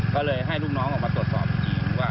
ก็เลยให้ลูกน้องออกมาตรวจสอบอีกทีว่า